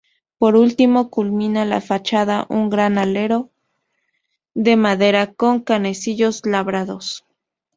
Por último, culmina la fachada un gran alero de madera con canecillos labrados.